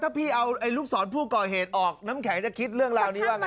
ถ้าพี่เอาลูกศรผู้ก่อเหตุออกน้ำแข็งจะคิดเรื่องราวนี้ว่าไง